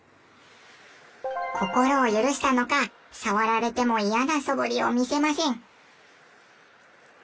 心を許したのか触られても嫌なそぶりを見せません。